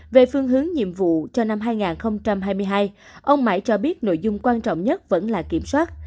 về phương hướng nhiệm vụ cho năm hai nghìn hai mươi hai ông mãi cho biết nội dung quan trọng nhất vẫn là kiểm soát